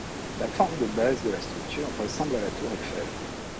La forme de base de la structure ressemble à la Tour Eiffel.